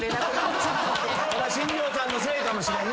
新庄さんのせいかもしれんな。